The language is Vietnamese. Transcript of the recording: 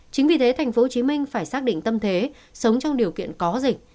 chính vì thế tp hcm phải xác định tâm thế sống trong điều kiện có dịch